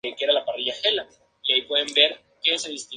Allí, antes de comenzar a filmar la película.